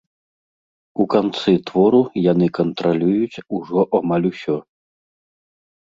У канцы твору яны кантралююць ужо амаль усё.